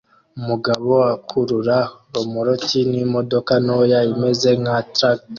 Umugabo akurura romoruki n'imodoka ntoya imeze nka traktor